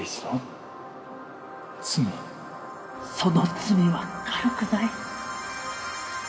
その罪は軽くない。